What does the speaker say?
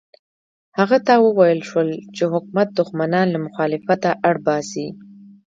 هغه ته وویل شول چې حکومت دښمنان له مخالفته اړ باسي.